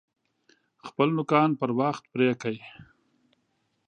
خپل نوکان پر وخت پرې کئ!